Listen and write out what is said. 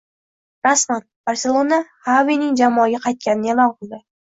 Rasman: Barselona Xavining jamoaga qaytganini e’lon qildi